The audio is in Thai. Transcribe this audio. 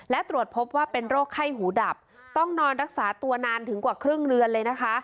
และตรวจพบว่าเป็นโรคไข้หูดับต้องนอนรักษาตัวนานถึงกว่าครึ่งเรือนเลยนะคะ